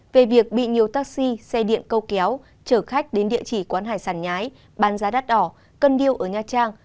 về việc bị nhiều taxi xe điện câu kéo chở khách đến địa chỉ quán hải sản nhái bán giá đắt đỏ cân điêu ở nha trang